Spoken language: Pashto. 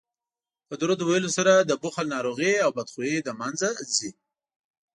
په درود ویلو سره د بخل ناروغي او بدخويي له منځه ځي